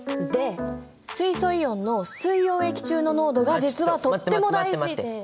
で水素イオンの水溶液中の濃度が実はとっても大事で。